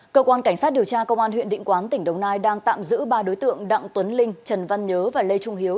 cơ quan cảnh sát điều tra công an huyện định quán tỉnh đồng nai đang tạm giữ ba đối tượng đặng tuấn linh trần văn nhớ và lê trung hiếu